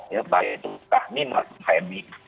ya baik itu kahmi makmu hmi